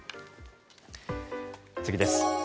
次です。